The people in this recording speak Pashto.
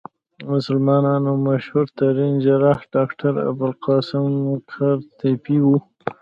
د مسلمانانو مشهورترين جراح ډاکټر ابوالقاسم قرطبي وو.